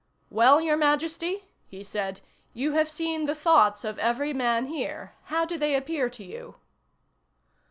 "Well, Your Majesty?" he said. "You have seen the thoughts of every man here. How do they appear to you?"